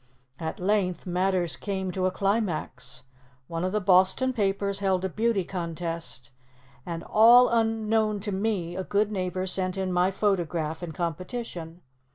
At length, matters came to a climax. One of the Boston papers held a beauty contest, and, all unknown to me, a good neighbor sent in my photograph in competition.